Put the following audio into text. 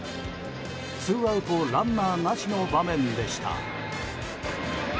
ツーアウトランナーなしの場面でした。